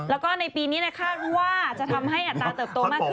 แล้วก็ในปีนี้คาดว่าจะทำให้อัตราเติบโตมากขึ้น